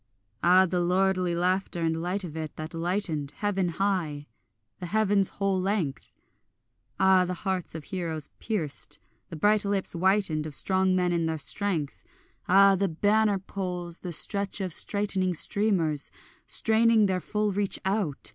Ah the lordly laughter and light of it, that lightened Heaven high, the heaven's whole length! Ah the hearts of heroes pierced, the bright lips whitened Of strong men in their strength! Ah the banner poles, the stretch of straightening streamers Straining their full reach out!